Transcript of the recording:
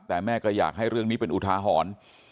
แต่แม่ก็อยากให้เรื่องนี้เป็นอุทาหรณ์